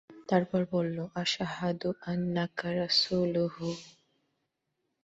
তারপর বলল, আশহাদু আন্নাকা রাসূলুল্লাহ।